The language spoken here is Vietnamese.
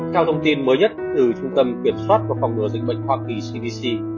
theo thông tin mới nhất từ trung tâm kiểm soát và phòng ngừa dịch bệnh hoa kỳ cdc